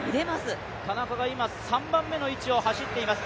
今、田中が３番目の位置を走っています。